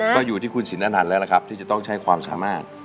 ก็อยู่ที่คุณสินอนันต์แล้วล่ะครับที่จะต้องใช้ความสามารถ